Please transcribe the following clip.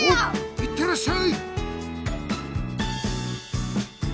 いってらっしゃい！